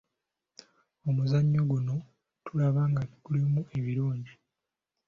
Omuzannyo guno tulaba nga gulimu ebirungi.